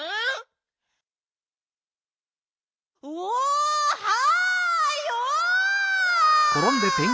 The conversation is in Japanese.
おはよう！